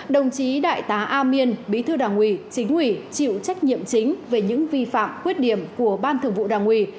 đồng chí đại tá a miên bí thư đảng ủy chính ủy chịu trách nhiệm chính về những vi phạm khuyết điểm của ban thường vụ đảng ủy